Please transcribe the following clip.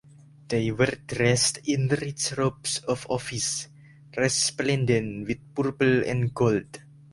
They were dressed in rich robes of office, resplendent with purple and gold.